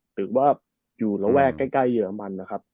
หรือว่าอยู่ระแวกใกล้เยอรมันนะครับ